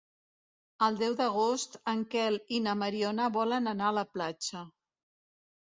El deu d'agost en Quel i na Mariona volen anar a la platja.